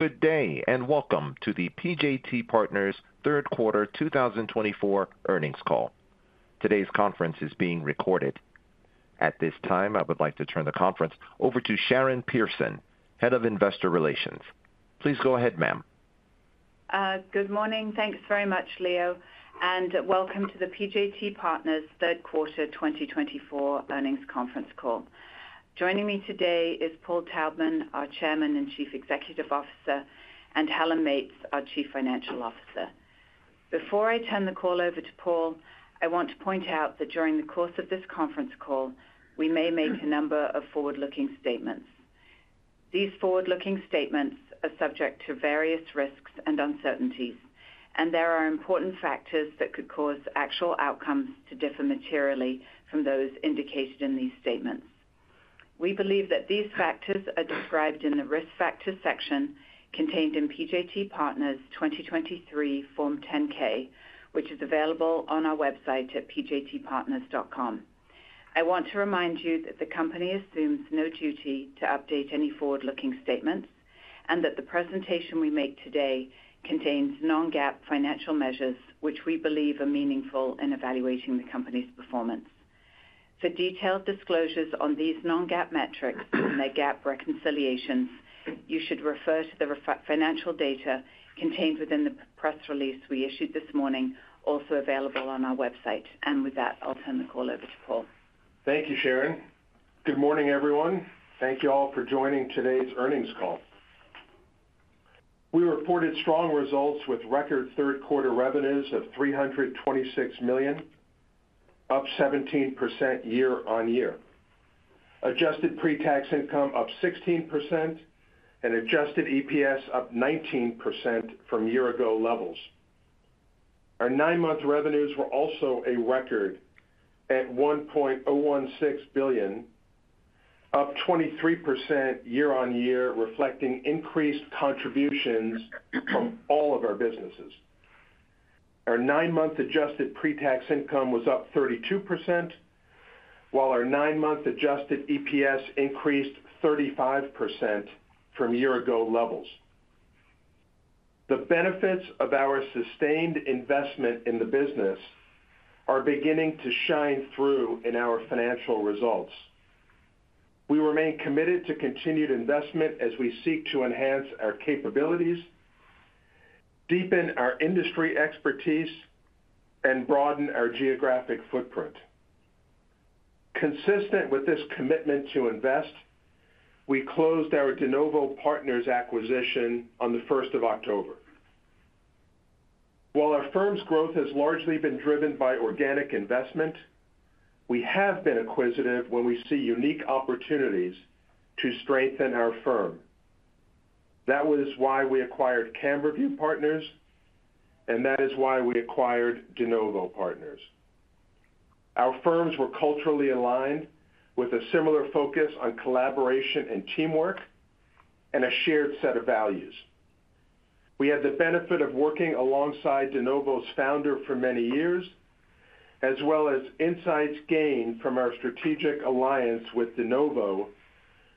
Good day, and welcome to the PJT Partners' third quarter 2024 earnings call. Today's conference is being recorded. At this time, I would like to turn the conference over to Sharon Pearson, Head of Investor Relations. Please go ahead, ma'am. Good morning. Thanks very much, Leo, and welcome to the PJT Partners' third quarter 2024 earnings conference call. Joining me today is Paul Taubman, our Chairman and Chief Executive Officer, and Helen Meates, our Chief Financial Officer. Before I turn the call over to Paul, I want to point out that during the course of this conference call, we may make a number of forward-looking statements. These forward-looking statements are subject to various risks and uncertainties, and there are important factors that could cause actual outcomes to differ materially from those indicated in these statements. We believe that these factors are described in the risk factor section contained in PJT Partners' 2023 Form 10-K, which is available on our website at pjtpartners.com. I want to remind you that the company assumes no duty to update any forward-looking statements and that the presentation we make today contains non-GAAP financial measures which we believe are meaningful in evaluating the company's performance. For detailed disclosures on these non-GAAP metrics and their GAAP reconciliations, you should refer to the financial data contained within the press release we issued this morning, also available on our website. And with that, I'll turn the call over to Paul. Thank you, Sharon. Good morning, everyone. Thank you all for joining today's earnings call. We reported strong results with record third quarter revenues of $326 million, up 17% year on year. Adjusted Pre-Tax Income up 16%, and Adjusted EPS up 19% from year-ago levels. Our nine-month revenues were also a record at $1.016 billion, up 23% year on year, reflecting increased contributions from all of our businesses. Our nine-month Adjusted Pre-Tax Income was up 32%, while our nine-month Adjusted EPS increased 35% from year-ago levels. The benefits of our sustained investment in the business are beginning to shine through in our financial results. We remain committed to continued investment as we seek to enhance our capabilities, deepen our industry expertise, and broaden our geographic footprint. Consistent with this commitment to invest, we closed our deNovo Partners acquisition on the 1st of October. While our firm's growth has largely been driven by organic investment, we have been acquisitive when we see unique opportunities to strengthen our firm. That was why we acquired Camberview Partners, and that is why we acquired deNovo Partners. Our firms were culturally aligned with a similar focus on collaboration and teamwork and a shared set of values. We had the benefit of working alongside deNovo's founder for many years, as well as insights gained from our strategic alliance with deNovo,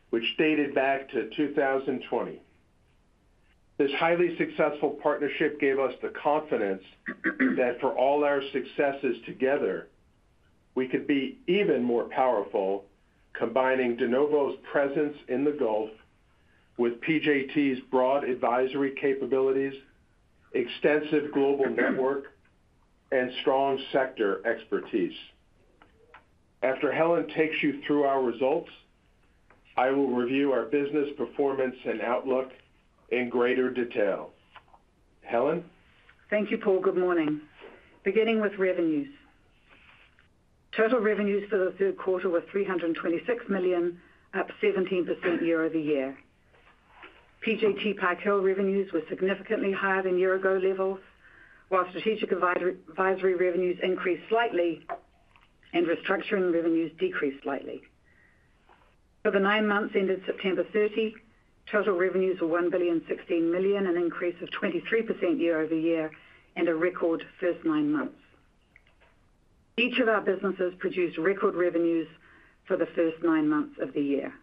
which dated back to 2020. This highly successful partnership gave us the confidence that for all our successes together, we could be even more powerful, combining deNovo's presence in the Gulf with PJT's broad advisory capabilities, extensive global network, and strong sector expertise. After Helen takes you through our results, I will review our business performance and outlook in greater detail. Helen. Thank you, Paul. Good morning. Beginning with revenues. Total revenues for the third quarter were $326 million, up 17% year-over-year. PJT Park Hill revenues were significantly higher than year-ago levels, while strategic advisory revenues increased slightly and restructuring revenues decreased slightly. For the nine months ended September 30, total revenues were $1.16 billion, an increase of 23% year-over-year and a record first nine months. Each of our businesses produced record revenues for the first nine months of the year.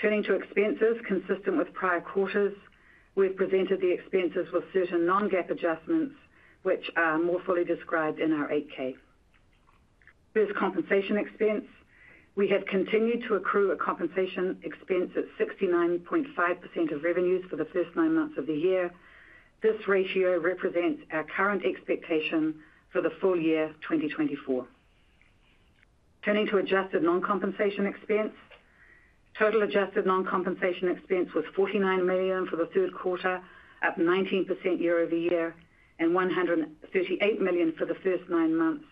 Turning to expenses, consistent with prior quarters, we've presented the expenses with certain non-GAAP adjustments, which are more fully described in our 8-K. First, compensation expense, we have continued to accrue a compensation expense at 69.5% of revenues for the first nine months of the year. This ratio represents our current expectation for the full year 2024. Turning to adjusted non-compensation expense, total adjusted non-compensation expense was $49 million for the third quarter, up 19% year-over-year, and $138 million for the first nine months,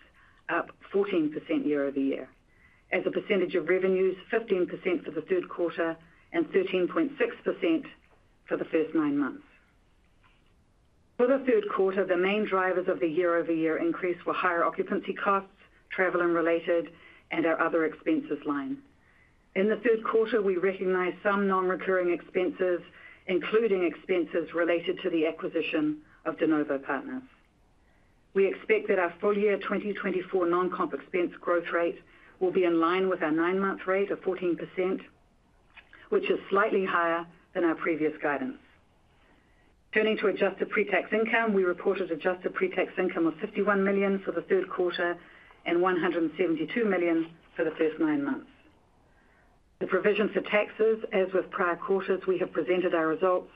up 14% year-over-year. As a percentage of revenues, 15% for the third quarter and 13.6% for the first nine months. For the third quarter, the main drivers of the year-over-year increase were higher occupancy costs, travel and related, and our other expenses line. In the third quarter, we recognized some non-recurring expenses, including expenses related to the acquisition of deNovo Partners. We expect that our full year 2024 non-comp expense growth rate will be in line with our nine-month rate of 14%, which is slightly higher than our previous guidance. Turning to adjusted pre-tax income, we reported adjusted pre-tax income of $51 million for the third quarter and $172 million for the first nine months. The provision for taxes, as with prior quarters, we have presented our results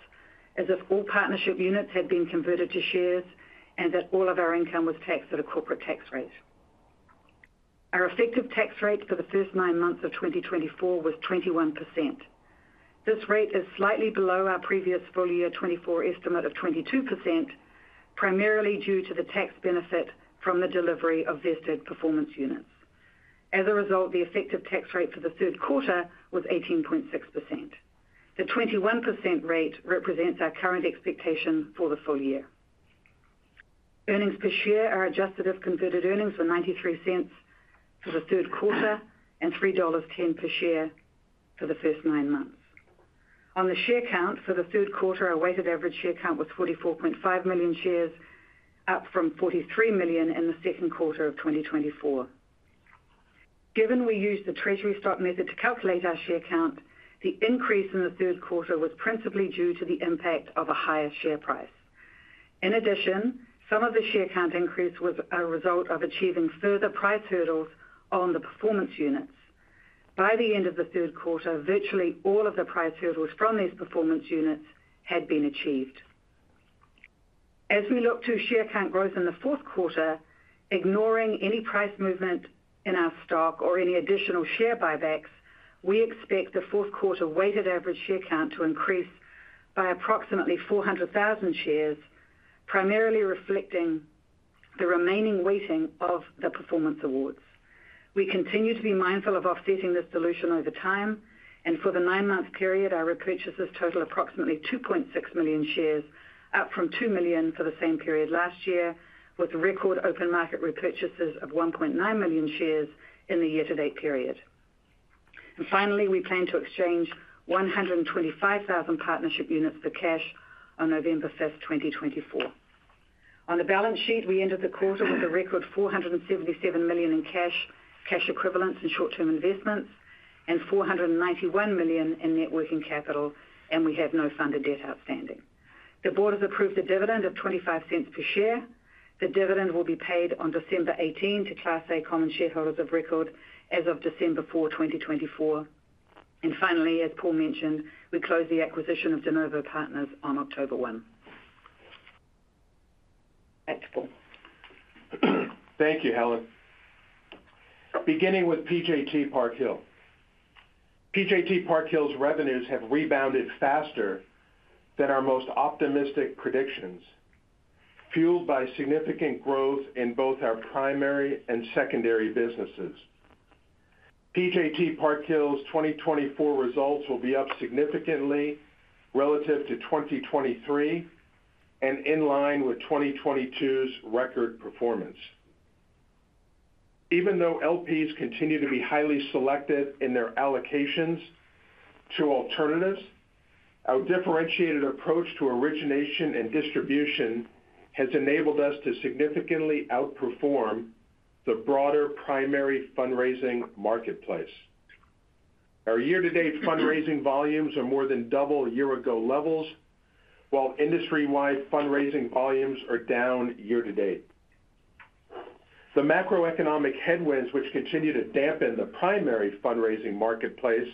as if all partnership units had been converted to shares and that all of our income was taxed at a corporate tax rate. Our effective tax rate for the first nine months of 2024 was 21%. This rate is slightly below our previous full year 2024 estimate of 22%, primarily due to the tax benefit from the delivery of vested performance units. As a result, the effective tax rate for the third quarter was 18.6%. The 21% rate represents our current expectation for the full year. Earnings per share are adjusted if converted earnings were $0.93 for the third quarter and $3.10 per share for the first nine months. On the share count for the third quarter, our weighted average share count was 44.5 million shares, up from 43 million in the second quarter of 2024. Given we used the Treasury Stock Method to calculate our share count, the increase in the third quarter was principally due to the impact of a higher share price. In addition, some of the share count increase was a result of achieving further price hurdles on the performance units. By the end of the third quarter, virtually all of the price hurdles from these performance units had been achieved. As we look to share count growth in the fourth quarter, ignoring any price movement in our stock or any additional share buybacks, we expect the fourth quarter weighted average share count to increase by approximately 400,000 shares, primarily reflecting the remaining weighting of the performance awards. We continue to be mindful of offsetting this dilution over time, and for the nine-month period, our repurchases total approximately 2.6 million shares, up from 2 million for the same period last year, with record open market repurchases of 1.9 million shares in the year-to-date period. And finally, we plan to exchange 125,000 partnership units for cash on November 5, 2024. On the balance sheet, we ended the quarter with a record $477 million in cash, cash equivalents and short-term investments, and $491 million in net working capital, and we have no funded debt outstanding. The board has approved a dividend of $0.25 per share. The dividend will be paid on December 18 to Class A common shareholders of record as of December 4, 2024. And finally, as Paul mentioned, we close the acquisition of deNovo Partners on October 1. Thanks, Paul. Thank you, Helen. Beginning with PJT Park Hill. PJT Park Hill's revenues have rebounded faster than our most optimistic predictions, fueled by significant growth in both our primary and secondary businesses. PJT Park Hill's 2024 results will be up significantly relative to 2023 and in line with 2022's record performance. Even though LPs continue to be highly selective in their allocations to alternatives, our differentiated approach to origination and distribution has enabled us to significantly outperform the broader primary fundraising marketplace. Our year-to-date fundraising volumes are more than double year-ago levels, while industry-wide fundraising volumes are down year-to-date. The macroeconomic headwinds, which continue to dampen the primary fundraising marketplace,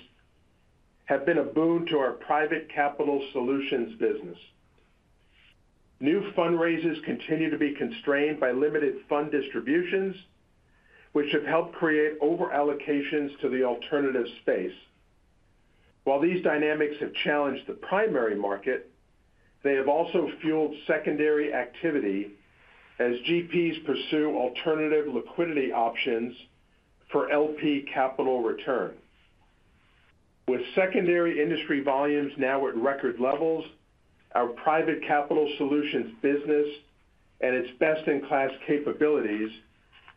have been a boon to our private capital solutions business. New fundraisers continue to be constrained by limited fund distributions, which have helped create overallocations to the alternative space. While these dynamics have challenged the primary market, they have also fueled secondary activity as GPs pursue alternative liquidity options for LP capital return. With secondary industry volumes now at record levels, our private capital solutions business and its best-in-class capabilities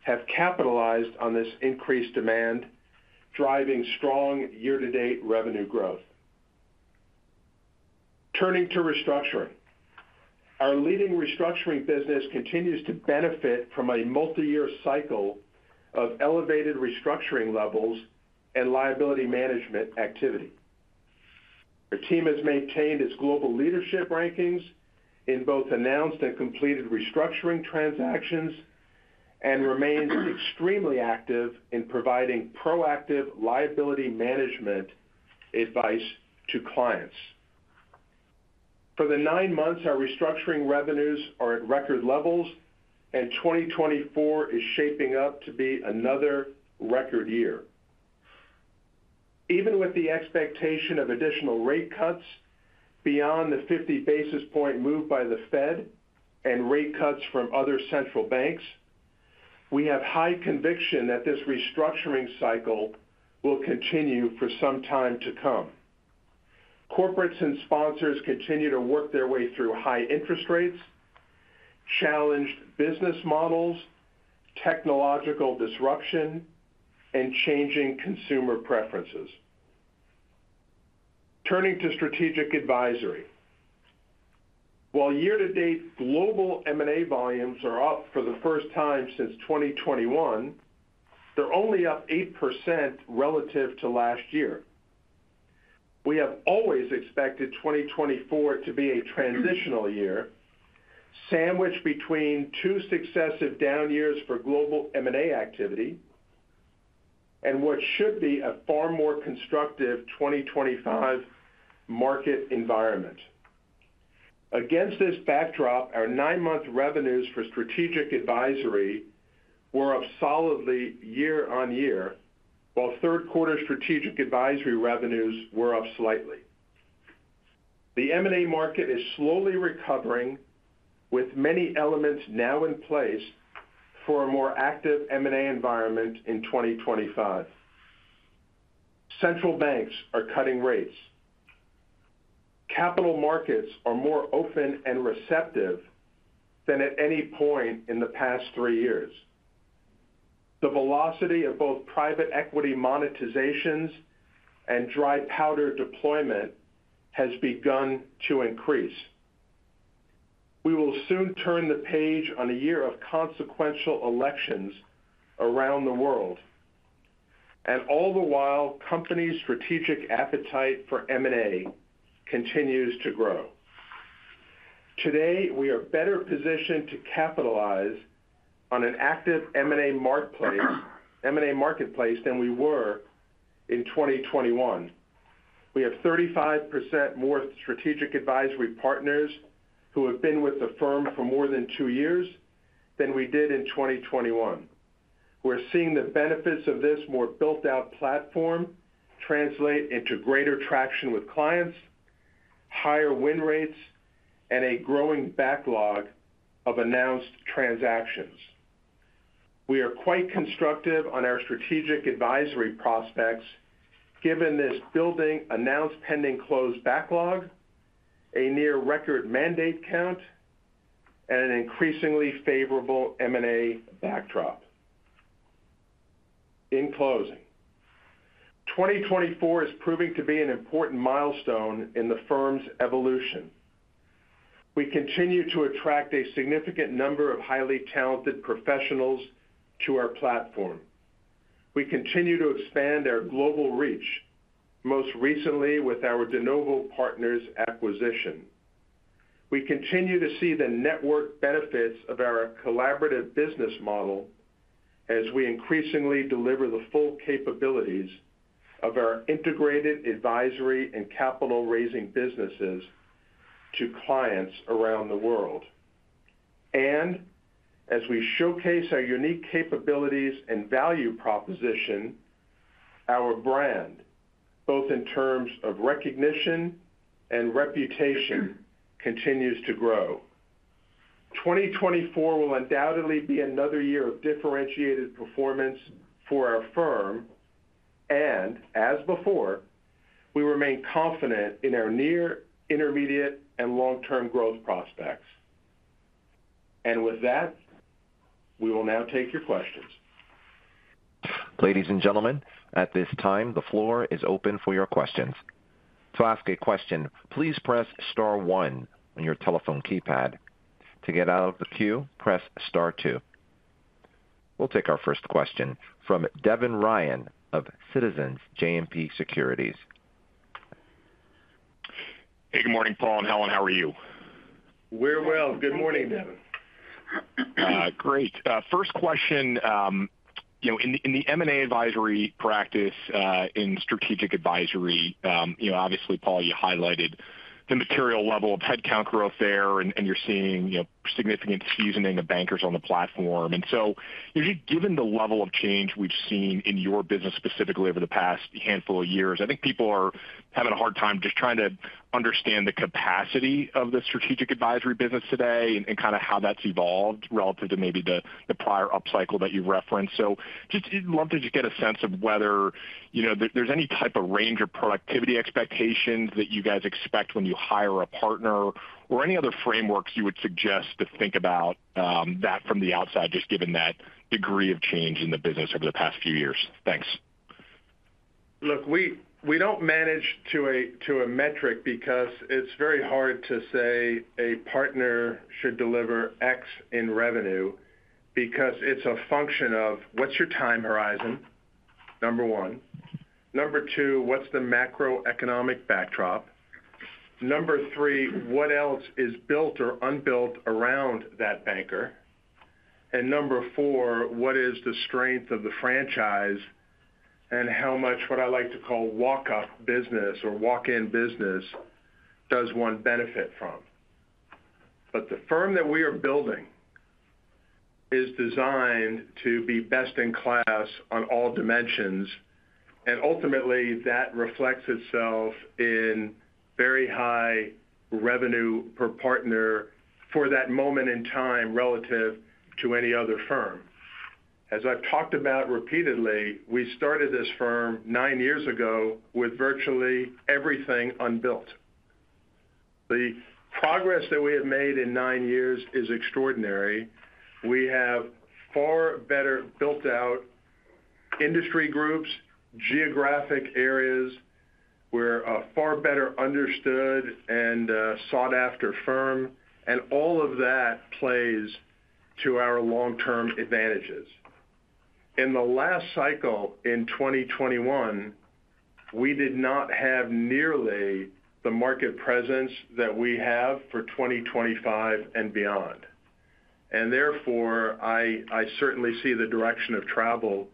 have capitalized on this increased demand, driving strong year-to-date revenue growth. Turning to restructuring, our leading restructuring business continues to benefit from a multi-year cycle of elevated restructuring levels and liability management activity. Our team has maintained its global leadership rankings in both announced and completed restructuring transactions and remains extremely active in providing proactive liability management advice to clients. For the nine months, our restructuring revenues are at record levels, and 2024 is shaping up to be another record year. Even with the expectation of additional rate cuts beyond the 50 basis points move by the Fed and rate cuts from other central banks, we have high conviction that this restructuring cycle will continue for some time to come. Corporates and sponsors continue to work their way through high interest rates, challenged business models, technological disruption, and changing consumer preferences. Turning to strategic advisory, while year-to-date global M&A volumes are up for the first time since 2021, they're only up 8% relative to last year. We have always expected 2024 to be a transitional year, sandwiched between two successive down years for global M&A activity and what should be a far more constructive 2025 market environment. Against this backdrop, our nine-month revenues for strategic advisory were up solidly year-on-year, while third-quarter strategic advisory revenues were up slightly. The M&A market is slowly recovering, with many elements now in place for a more active M&A environment in 2025. Central banks are cutting rates. Capital markets are more open and receptive than at any point in the past three years. The velocity of both private equity monetizations and dry powder deployment has begun to increase. We will soon turn the page on a year of consequential elections around the world, and all the while, companies' strategic appetite for M&A continues to grow. Today, we are better positioned to capitalize on an active M&A marketplace than we were in 2021. We have 35% more strategic advisory partners who have been with the firm for more than two years than we did in 2021. We're seeing the benefits of this more built-out platform translate into greater traction with clients, higher win rates, and a growing backlog of announced transactions. We are quite constructive on our strategic advisory prospects, given this building-announced pending-close backlog, a near-record mandate count, and an increasingly favorable M&A backdrop. In closing, 2024 is proving to be an important milestone in the firm's evolution. We continue to attract a significant number of highly talented professionals to our platform. We continue to expand our global reach, most recently with our deNovo Partners acquisition. We continue to see the network benefits of our collaborative business model as we increasingly deliver the full capabilities of our integrated advisory and capital-raising businesses to clients around the world, and as we showcase our unique capabilities and value proposition, our brand, both in terms of recognition and reputation, continues to grow. 2024 will undoubtedly be another year of differentiated performance for our firm, and as before, we remain confident in our near-intermediate and long-term growth prospects. With that, we will now take your questions. Ladies and gentlemen, at this time, the floor is open for your questions. To ask a question, please press star one on your telephone keypad. To get out of the queue, press star two. We'll take our first question from Devin Ryan of Citizens JMP Securities. Hey, good morning, Paul and Helen. How are you? We're well. Good morning, Devin. Great. First question, in the M&A advisory practice in strategic advisory, obviously, Paul, you highlighted the material level of headcount growth there, and you're seeing significant seasoning of bankers on the platform. And so, given the level of change we've seen in your business specifically over the past handful of years, I think people are having a hard time just trying to understand the capacity of the strategic advisory business today and kind of how that's evolved relative to maybe the prior upcycle that you've referenced. So just love to just get a sense of whether there's any type of range of productivity expectations that you guys expect when you hire a partner or any other frameworks you would suggest to think about that from the outside, just given that degree of change in the business over the past few years. Thanks. Look, we don't manage to a metric because it's very hard to say a partner should deliver X in revenue because it's a function of what's your time horizon, number one. Number two, what's the macroeconomic backdrop? Number three, what else is built or unbuilt around that banker? And number four, what is the strength of the franchise and how much what I like to call walk-up business or walk-in business does one benefit from? But the firm that we are building is designed to be best in class on all dimensions, and ultimately, that reflects itself in very high revenue per partner for that moment in time relative to any other firm. As I've talked about repeatedly, we started this firm nine years ago with virtually everything unbuilt. The progress that we have made in nine years is extraordinary. We have far better built-out industry groups, geographic areas, we're a far better understood and sought-after firm, and all of that plays to our long-term advantages. In the last cycle in 2021, we did not have nearly the market presence that we have for 2025 and beyond, and therefore, I certainly see the direction of travel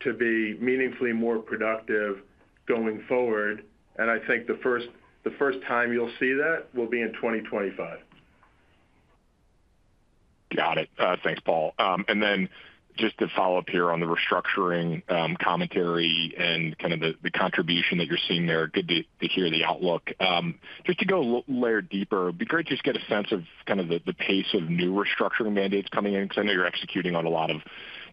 to be meaningfully more productive going forward, and I think the first time you'll see that will be in 2025. Got it. Thanks, Paul. And then just to follow up here on the restructuring commentary and kind of the contribution that you're seeing there, good to hear the outlook. Just to go a layer deeper, it'd be great to just get a sense of kind of the pace of new restructuring mandates coming in because I know you're executing on a lot of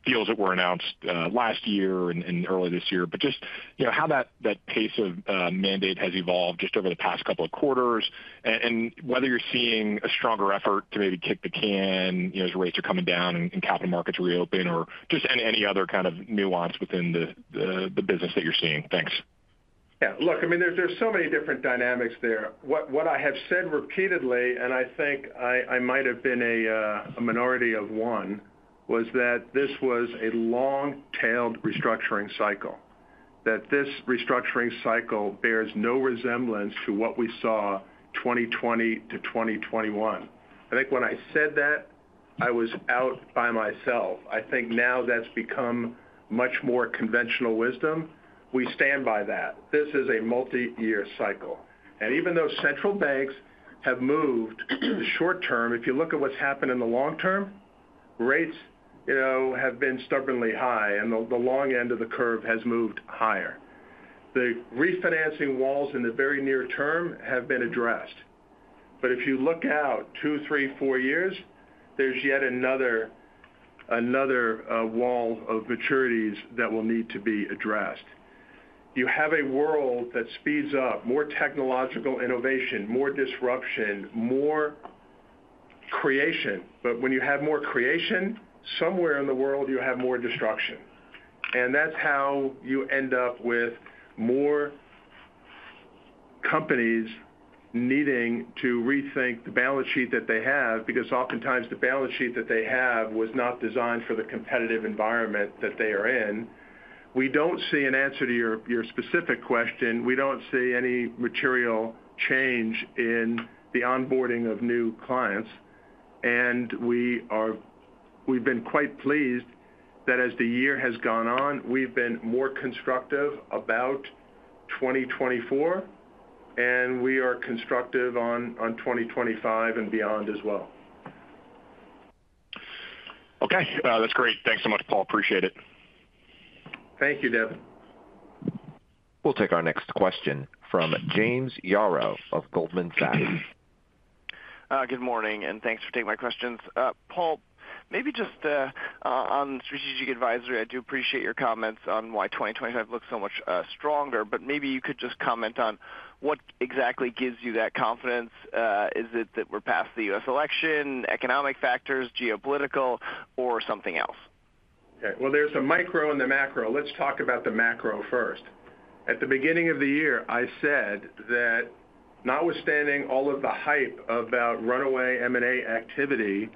deals that were announced last year and early this year, but just how that pace of mandate has evolved just over the past couple of quarters and whether you're seeing a stronger effort to maybe kick the can as rates are coming down and capital markets reopen or just any other kind of nuance within the business that you're seeing. Thanks. Yeah. Look, I mean, there's so many different dynamics there. What I have said repeatedly, and I think I might have been a minority of one, was that this was a long-tailed restructuring cycle, that this restructuring cycle bears no resemblance to what we saw 2020 to 2021. I think when I said that, I was out by myself. I think now that's become much more conventional wisdom. We stand by that. This is a multi-year cycle, and even though central banks have moved to the short term, if you look at what's happened in the long term, rates have been stubbornly high, and the long end of the curve has moved higher. The refinancing walls in the very near term have been addressed, but if you look out two, three, four years, there's yet another wall of maturities that will need to be addressed. You have a world that speeds up, more technological innovation, more disruption, more creation. But when you have more creation, somewhere in the world, you have more destruction. And that's how you end up with more companies needing to rethink the balance sheet that they have because oftentimes the balance sheet that they have was not designed for the competitive environment that they are in. We don't see an answer to your specific question. We don't see any material change in the onboarding of new clients. And we've been quite pleased that as the year has gone on, we've been more constructive about 2024, and we are constructive on 2025 and beyond as well. Okay. That's great. Thanks so much, Paul. Appreciate it. Thank you, Dev. We'll take our next question from James Yaro of Goldman Sachs. Good morning, and thanks for taking my questions. Paul, maybe just on strategic advisory, I do appreciate your comments on why 2025 looks so much stronger, but maybe you could just comment on what exactly gives you that confidence? Is it that we're past the U.S. election, economic factors, geopolitical, or something else? Okay. Well, there's a micro and the macro. Let's talk about the macro first. At the beginning of the year, I said that notwithstanding all of the hype about runaway M&A activity,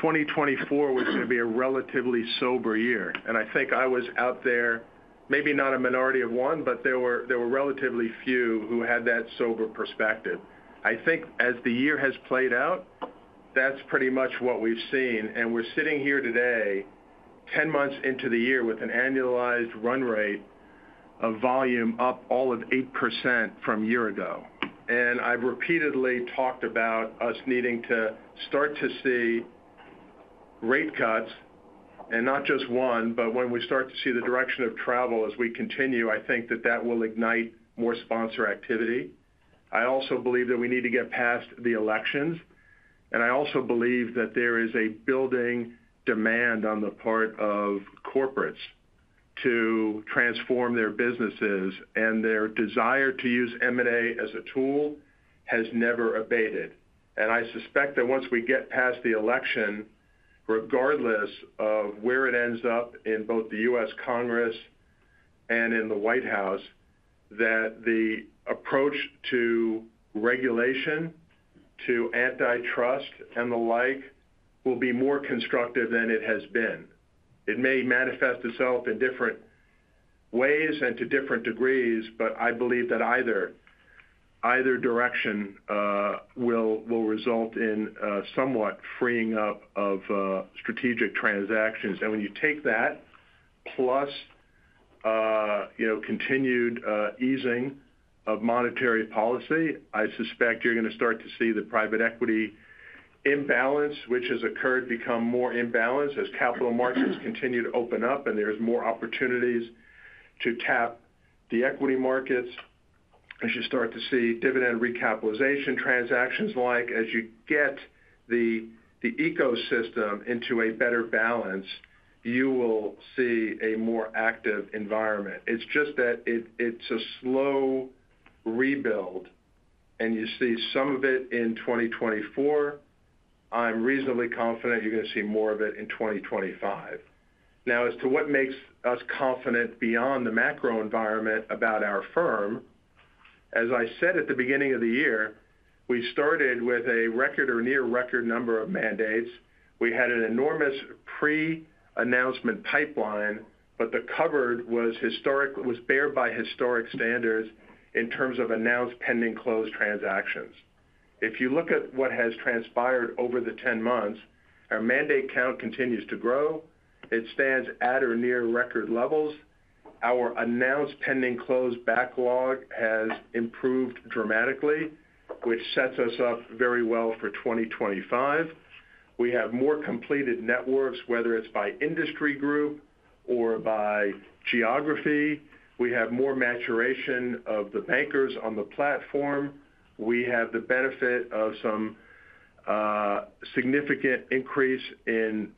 2024 was going to be a relatively sober year. And I think I was out there, maybe not a minority of one, but there were relatively few who had that sober perspective. I think as the year has played out, that's pretty much what we've seen. And we're sitting here today, 10 months into the year with an annualized run rate of volume up all of 8% from a year ago. And I've repeatedly talked about us needing to start to see rate cuts, and not just one, but when we start to see the direction of travel as we continue, I think that that will ignite more sponsor activity. I also believe that we need to get past the elections. And I also believe that there is a building demand on the part of corporates to transform their businesses, and their desire to use M&A as a tool has never abated. And I suspect that once we get past the election, regardless of where it ends up in both the U.S. Congress and in the White House, that the approach to regulation, to antitrust, and the like will be more constructive than it has been. It may manifest itself in different ways and to different degrees, but I believe that either direction will result in somewhat freeing up of strategic transactions. And when you take that plus continued easing of monetary policy, I suspect you're going to start to see the private equity imbalance, which has occurred, become more imbalanced as capital markets continue to open up, and there's more opportunities to tap the equity markets. As you start to see dividend recapitalization transactions like, as you get the ecosystem into a better balance, you will see a more active environment. It's just that it's a slow rebuild, and you see some of it in 2024. I'm reasonably confident you're going to see more of it in 2025. Now, as to what makes us confident beyond the macro environment about our firm, as I said at the beginning of the year, we started with a record or near-record number of mandates. We had an enormous pre-announcement pipeline, but the coverage was bare by historic standards in terms of announced pending close transactions. If you look at what has transpired over the 10 months, our mandate count continues to grow. It stands at or near record levels. Our announced pending close backlog has improved dramatically, which sets us up very well for 2025. We have more completed mandates, whether it's by industry group or by geography. We have more maturation of the bankers on the platform. We have the benefit of some significant increase in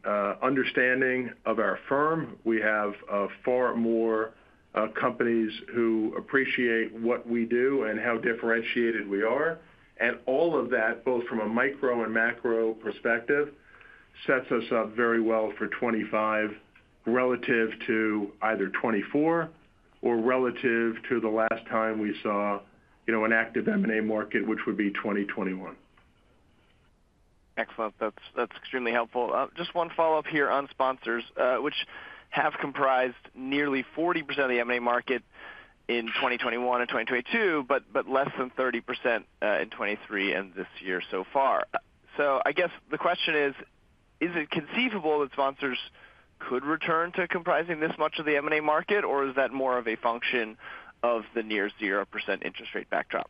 understanding of our firm. We have far more companies who appreciate what we do and how differentiated we are. And all of that, both from a micro and macro perspective, sets us up very well for 2025 relative to either 2024 or relative to the last time we saw an active M&A market, which would be 2021. Excellent. That's extremely helpful. Just one follow-up here on sponsors, which have comprised nearly 40% of the M&A market in 2021 and 2022, but less than 30% in 2023 and this year so far. So I guess the question is, is it conceivable that sponsors could return to comprising this much of the M&A market, or is that more of a function of the near zero percent interest rate backdrop?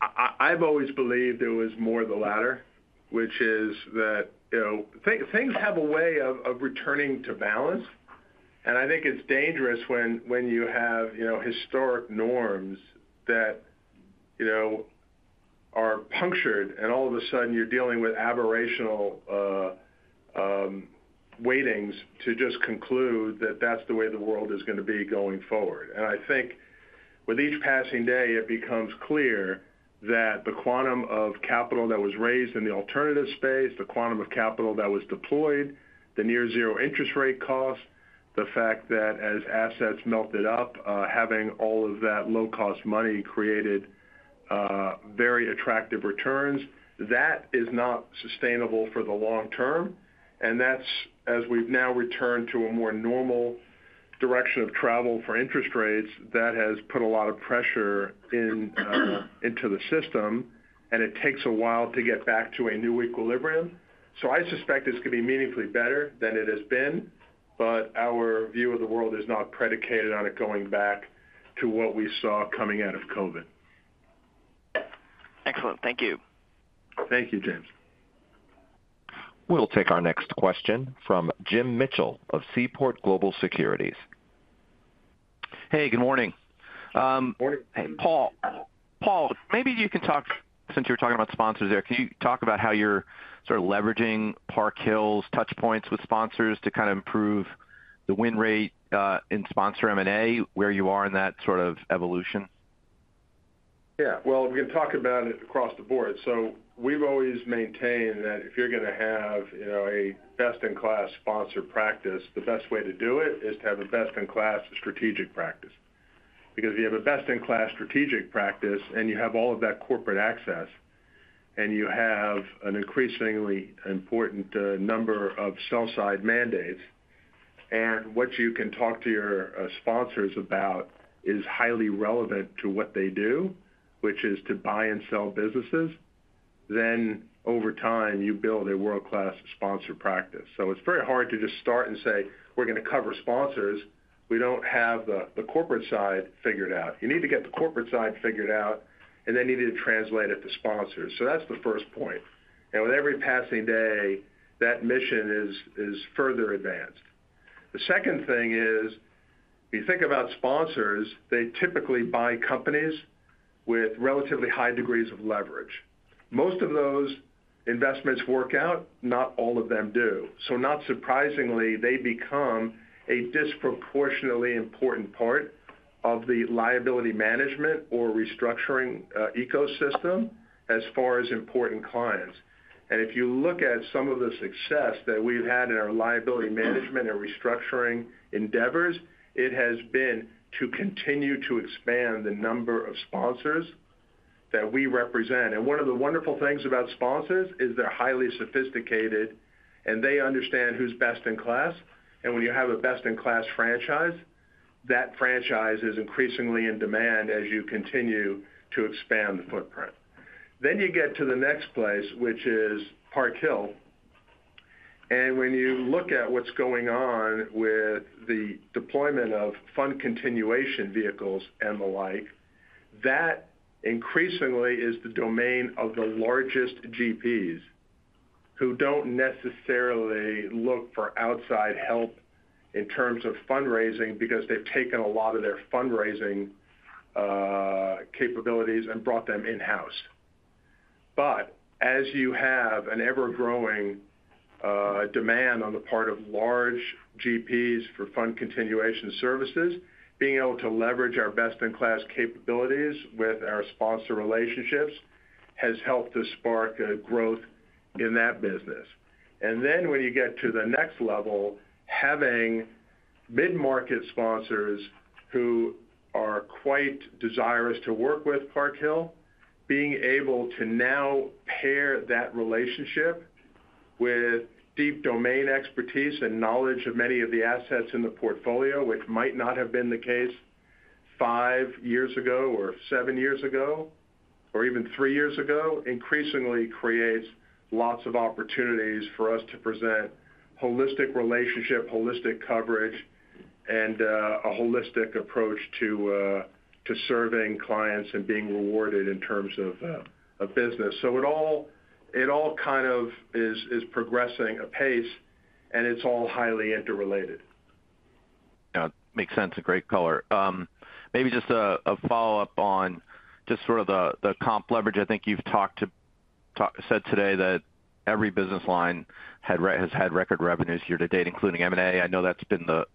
I've always believed it was more the latter, which is that things have a way of returning to balance. And I think it's dangerous when you have historic norms that are punctured, and all of a sudden you're dealing with aberrational weightings to just conclude that that's the way the world is going to be going forward. And I think with each passing day, it becomes clear that the quantum of capital that was raised in the alternative space, the quantum of capital that was deployed, the near-zero interest rate cost, the fact that as assets melted up, having all of that low-cost money created very attractive returns, that is not sustainable for the long term. And that's, as we've now returned to a more normal direction of travel for interest rates, that has put a lot of pressure into the system, and it takes a while to get back to a new equilibrium. So I suspect it's going to be meaningfully better than it has been, but our view of the world is not predicated on it going back to what we saw coming out of COVID. Excellent. Thank you. Thank you, James. We'll take our next question from Jim Mitchell of Seaport Global Securities. Hey, good morning. Good morning. Hey, Paul. Paul, maybe you can talk since you're talking about sponsors there, can you talk about how you're sort of leveraging Park Hill's Touchpoints with sponsors to kind of improve the win rate in sponsor M&A, where you are in that sort of evolution? Yeah. Well, we can talk about it across the board. So we've always maintained that if you're going to have a best-in-class sponsor practice, the best way to do it is to have a best-in-class strategic practice. Because if you have a best-in-class strategic practice and you have all of that corporate access and you have an increasingly important number of sell-side mandates, and what you can talk to your sponsors about is highly relevant to what they do, which is to buy and sell businesses, then over time you build a world-class sponsor practice. So it's very hard to just start and say, "We're going to cover sponsors." We don't have the corporate side figured out. You need to get the corporate side figured out, and then you need to translate it to sponsors. So that's the first point. And with every passing day, that mission is further advanced. The second thing is, if you think about sponsors, they typically buy companies with relatively high degrees of leverage. Most of those investments work out. Not all of them do, so not surprisingly, they become a disproportionately important part of the liability management or restructuring ecosystem as far as important clients, and if you look at some of the success that we've had in our liability management and restructuring endeavors, it has been to continue to expand the number of sponsors that we represent, and one of the wonderful things about sponsors is they're highly sophisticated, and they understand who's best in class, and when you have a best-in-class franchise, that franchise is increasingly in demand as you continue to expand the footprint, then you get to the next place, which is Park Hill. When you look at what's going on with the deployment of fund continuation vehicles and the like, that increasingly is the domain of the largest GPs who don't necessarily look for outside help in terms of fundraising because they've taken a lot of their fundraising capabilities and brought them in-house. As you have an ever-growing demand on the part of large GPs for fund continuation services, being able to leverage our best-in-class capabilities with our sponsor relationships has helped to spark growth in that business. When you get to the next level, having mid-market sponsors who are quite desirous to work with Park Hill, being able to now pair that relationship with deep domain expertise and knowledge of many of the assets in the portfolio, which might not have been the case five years ago or seven years ago or even three years ago, increasingly creates lots of opportunities for us to present holistic relationship, holistic coverage, and a holistic approach to serving clients and being rewarded in terms of business. It all kind of is progressing apace, and it's all highly interrelated. Yeah. Makes sense. A great color. Maybe just a follow-up on just sort of the comp leverage. I think you've said today that every business line has had record revenues year to date, including M&A. I know that's been the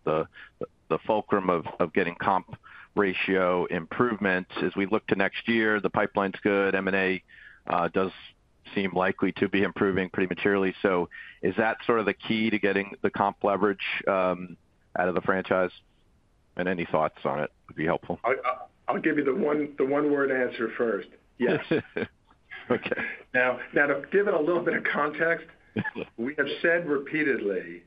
fulcrum of getting comp ratio improvement. As we look to next year, the pipeline's good. M&A does seem likely to be improving pretty materially. So is that sort of the key to getting the comp leverage out of the franchise? And any thoughts on it would be helpful. I'll give you the one-word answer first. Yes. Now, to give it a little bit of context, we have said repeatedly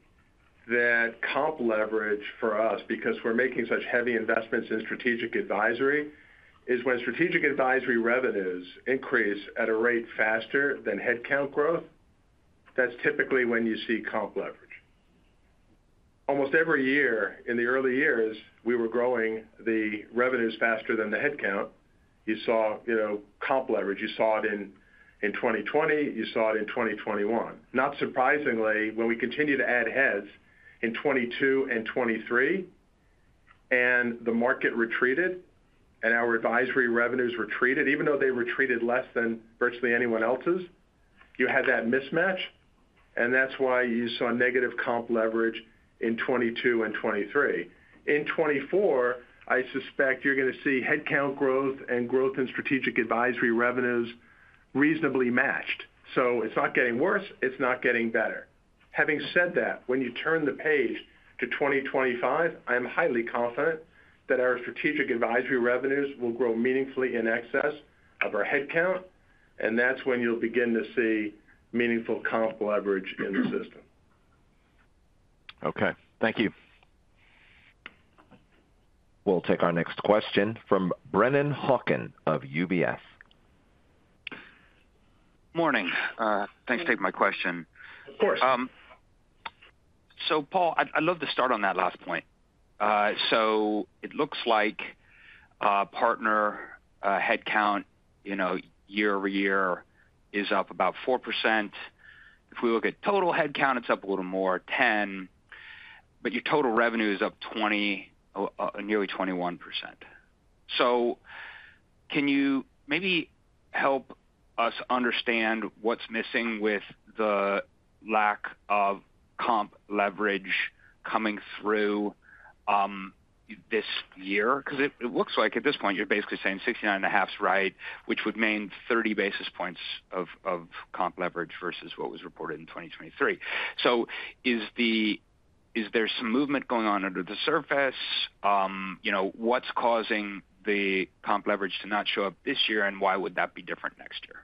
that comp leverage for us, because we're making such heavy investments in strategic advisory, is when strategic advisory revenues increase at a rate faster than headcount growth. That's typically when you see comp leverage. Almost every year in the early years, we were growing the revenues faster than the headcount. You saw comp leverage. You saw it in 2020. You saw it in 2021. Not surprisingly, when we continued to add heads in 2022 and 2023 and the market retreated and our advisory revenues retreated, even though they retreated less than virtually anyone else's, you had that mismatch, and that's why you saw negative comp leverage in 2022 and 2023. In 2024, I suspect you're going to see headcount growth and growth in strategic advisory revenues reasonably matched. So it's not getting worse. It's not getting better. Having said that, when you turn the page to 2025, I'm highly confident that our Strategic Advisory revenues will grow meaningfully in excess of our headcount. And that's when you'll begin to see meaningful comp leverage in the system. Okay. Thank you. We'll take our next question from Brennan Hawken of UBS. Morning. Thanks for taking my question. Of course. So Paul, I'd love to start on that last point. So it looks like partner headcount year over year is up about 4%. If we look at total headcount, it's up a little more, 10%. But your total revenue is up nearly 21%. So can you maybe help us understand what's missing with the lack of comp leverage coming through this year? Because it looks like at this point, you're basically saying 69 and a half's right, which would mean 30 basis points of comp leverage versus what was reported in 2023. So is there some movement going on under the surface? What's causing the comp leverage to not show up this year, and why would that be different next year?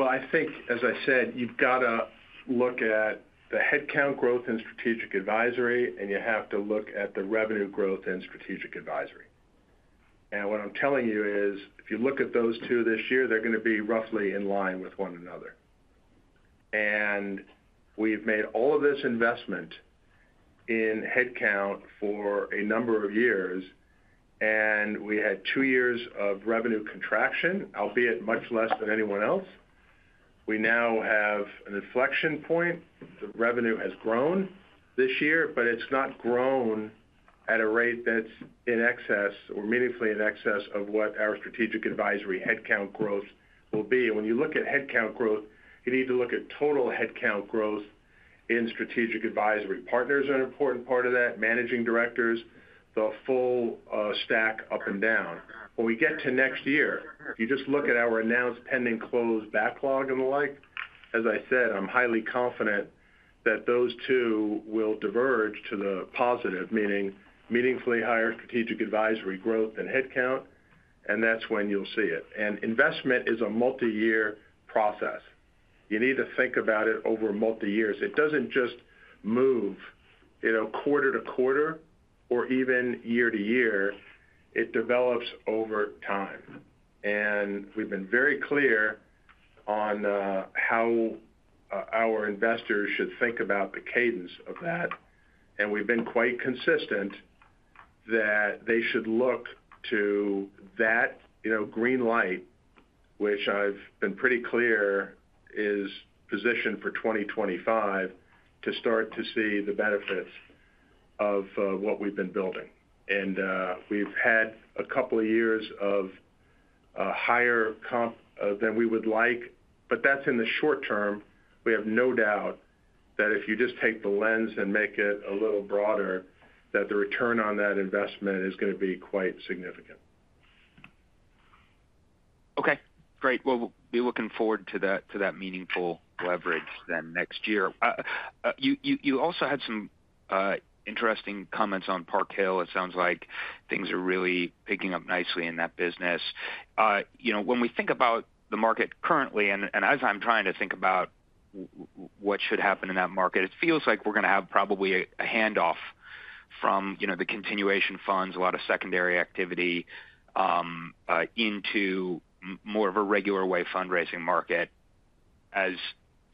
I think, as I said, you've got to look at the headcount growth in Strategic Advisory, and you have to look at the revenue growth in Strategic Advisory. What I'm telling you is, if you look at those two this year, they're going to be roughly in line with one another. We've made all of this investment in headcount for a number of years, and we had two years of revenue contraction, albeit much less than anyone else. We now have an inflection point. The revenue has grown this year, but it's not grown at a rate that's in excess or meaningfully in excess of what our Strategic Advisory headcount growth will be. When you look at headcount growth, you need to look at total headcount growth in Strategic Advisory. Partners are an important part of that, managing directors, the full stack up and down. When we get to next year, if you just look at our announced pending close backlog and the like, as I said, I'm highly confident that those two will diverge to the positive, meaning meaningfully higher strategic advisory growth than headcount, and that's when you'll see it, and investment is a multi-year process. You need to think about it over multi-years. It doesn't just move quarter to quarter or even year to year. It develops over time, and we've been very clear on how our investors should think about the cadence of that, and we've been quite consistent that they should look to that green light, which I've been pretty clear is positioned for 2025 to start to see the benefits of what we've been building, and we've had a couple of years of higher comp than we would like, but that's in the short term. We have no doubt that if you just take the lens and make it a little broader, that the return on that investment is going to be quite significant. Okay. Great. Well, we'll be looking forward to that meaningful leverage then next year. You also had some interesting comments on Park Hill. It sounds like things are really picking up nicely in that business. When we think about the market currently, and as I'm trying to think about what should happen in that market, it feels like we're going to have probably a handoff from the continuation funds, a lot of secondary activity into more of a regular way fundraising market as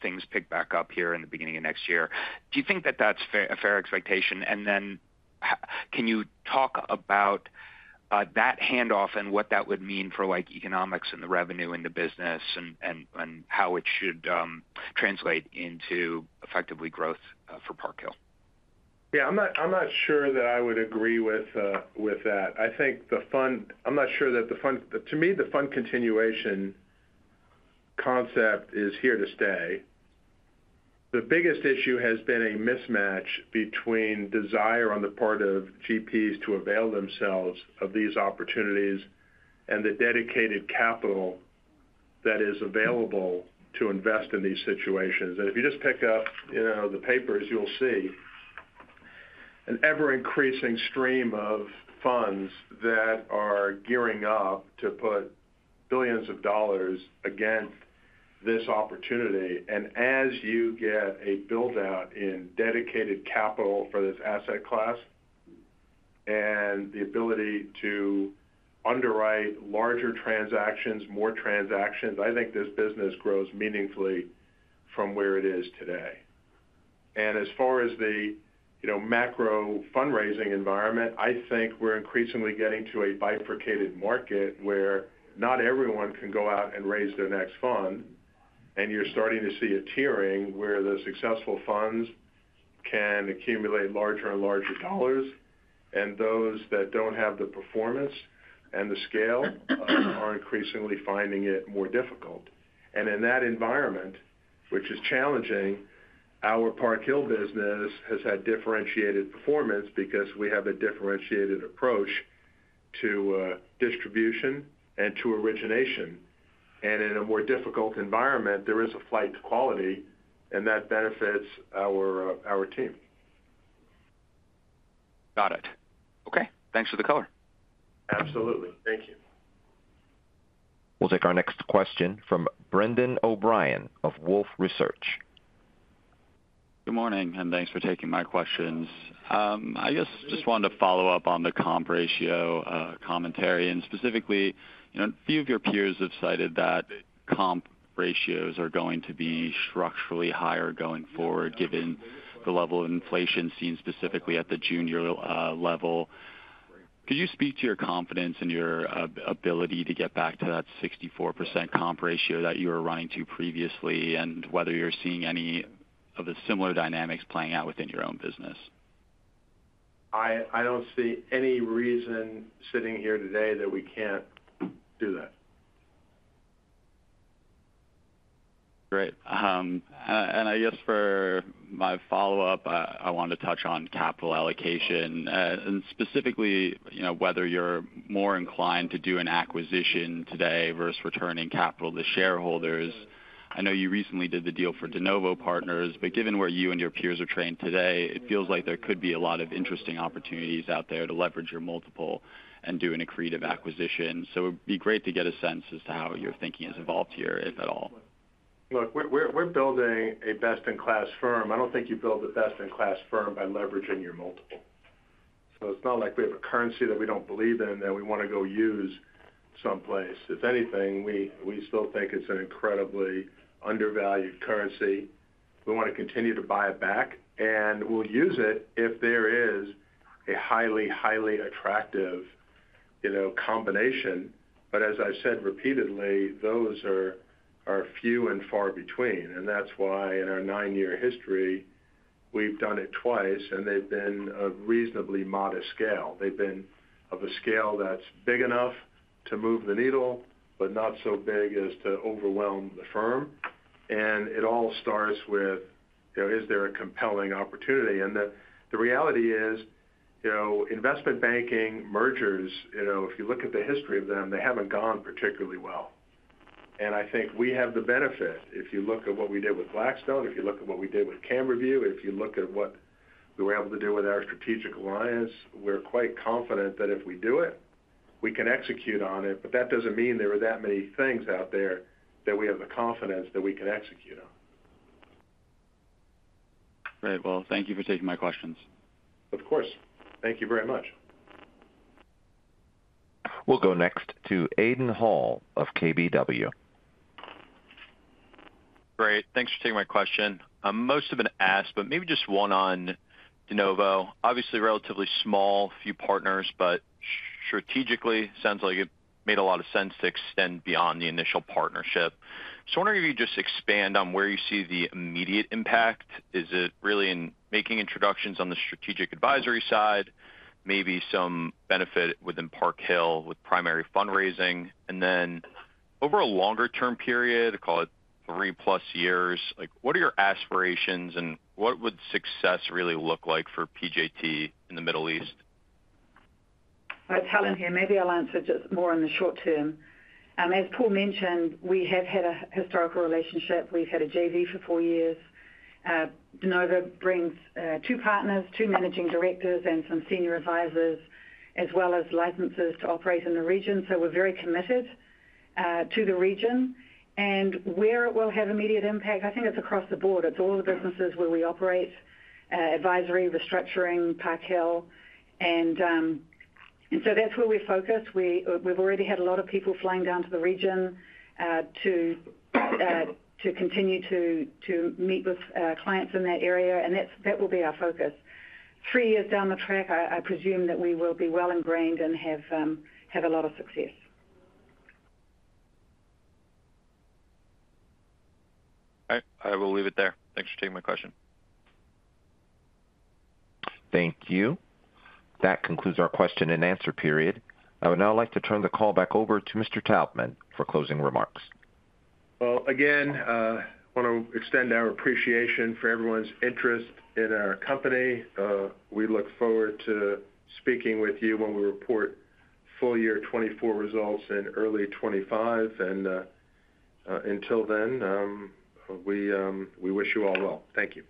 things pick back up here in the beginning of next year. Do you think that that's a fair expectation? And then can you talk about that handoff and what that would mean for economics and the revenue in the business and how it should translate into effectively growth for Park Hill? Yeah. I'm not sure that I would agree with that. I think, I'm not sure that, to me, the fund continuation concept is here to stay. The biggest issue has been a mismatch between desire on the part of GPs to avail themselves of these opportunities and the dedicated capital that is available to invest in these situations. And if you just pick up the papers, you'll see an ever-increasing stream of funds that are gearing up to put billions of dollars against this opportunity. And as you get a buildout in dedicated capital for this asset class and the ability to underwrite larger transactions, more transactions, I think this business grows meaningfully from where it is today. And as far as the macro fundraising environment, I think we're increasingly getting to a bifurcated market where not everyone can go out and raise their next fund. And you're starting to see a tearing where the successful funds can accumulate larger and larger dollars. And those that don't have the performance and the scale are increasingly finding it more difficult. And in that environment, which is challenging, our Park Hill business has had differentiated performance because we have a differentiated approach to distribution and to origination. And in a more difficult environment, there is a flight to quality, and that benefits our team. Got it. Okay. Thanks for the color. Absolutely. Thank you. We'll take our next question from Brendan O'Brien of Wolfe Research. Good morning, and thanks for taking my questions. I guess just wanted to follow up on the comp ratio commentary. And specifically, a few of your peers have cited that comp ratios are going to be structurally higher going forward given the level of inflation seen specifically at the junior level. Could you speak to your confidence and your ability to get back to that 64% comp ratio that you were running to previously and whether you're seeing any of the similar dynamics playing out within your own business? I don't see any reason sitting here today that we can't do that. Great, and I guess for my follow-up, I wanted to touch on capital allocation and specifically whether you're more inclined to do an acquisition today versus returning capital to shareholders. I know you recently did the deal for deNovo Partners, but given where you and your peers are trained today, it feels like there could be a lot of interesting opportunities out there to leverage your multiple and do a creative acquisition, so it would be great to get a sense as to how your thinking has evolved here, if at all. Look, we're building a best-in-class firm. I don't think you build the best-in-class firm by leveraging your multiple. So it's not like we have a currency that we don't believe in that we want to go use someplace. If anything, we still think it's an incredibly undervalued currency. We want to continue to buy it back, and we'll use it if there is a highly, highly attractive combination. But as I've said repeatedly, those are few and far between. And that's why in our nine-year history, we've done it twice, and they've been of reasonably modest scale. They've been of a scale that's big enough to move the needle, but not so big as to overwhelm the firm. And it all starts with, is there a compelling opportunity? And the reality is investment banking mergers, if you look at the history of them, they haven't gone particularly well. I think we have the benefit if you look at what we did with Blackstone, if you look at what we did with Camberview, if you look at what we were able to do with our strategic alliance. We're quite confident that if we do it, we can execute on it. That doesn't mean there are that many things out there that we have the confidence that we can execute on. Great. Well, thank you for taking my questions. Of course. Thank you very much. We'll go next to Aidan Hall of KBW. Great. Thanks for taking my question. Most have been asked, but maybe just one on deNovo. Obviously, relatively small, few partners, but strategically, it sounds like it made a lot of sense to extend beyond the initial partnership. So I wonder if you could just expand on where you see the immediate impact. Is it really in making introductions on the strategic advisory side, maybe some benefit within Park Hill with primary fundraising? And then over a longer-term period, call it three-plus years, what are your aspirations and what would success really look like for PJT in the Middle East? I'll tell him here. Maybe I'll answer just more in the short term. As Paul mentioned, we have had a historical relationship. We've had a JV for four years. deNovo brings two partners, two managing directors, and some senior advisors, as well as licenses to operate in the region. So we're very committed to the region, and where it will have immediate impact, I think it's across the board. It's all the businesses where we operate: advisory, restructuring, Park Hill, and so that's where we focus. We've already had a lot of people flying down to the region to continue to meet with clients in that area, and that will be our focus. Three years down the track, I presume that we will be well ingrained and have a lot of success. I will leave it there. Thanks for taking my question. Thank you. That concludes our question and answer period. I would now like to turn the call back over to Mr. Taubman for closing remarks. Again, I want to extend our appreciation for everyone's interest in our company. We look forward to speaking with you when we report full year 2024 results in early 2025. Until then, we wish you all well. Thank you.